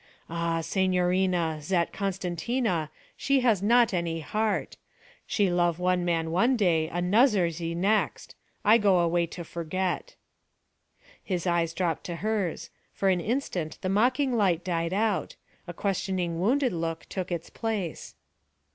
'Ah, signorina, zat Costantina, she has not any heart. She love one man one day, anozzer ze next. I go away to forget.' His eyes dropped to hers; for an instant the mocking light died out; a questioning wounded look took its place.